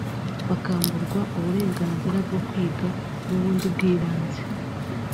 bakamburwa uburenganzira bwo kwiga n’ubundi bw’ibanze